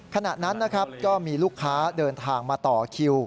ขณะนั้นนะครับก็มีลูกค้าเดินทางมาต่อคิว